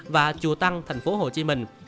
và chùa tăng thành phố hồ chí minh